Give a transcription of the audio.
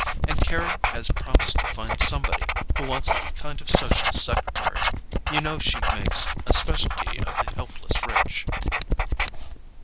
And Carry has promised to find somebody who wants a kind of social secretary—you know she makes a specialty of the helpless rich."